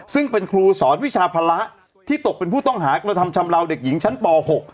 ซึ่งเป็นครูสอนวิชาภาระที่ตกเป็นผู้ต้องหากระทำชำลาวเด็กหญิงชั้นป๖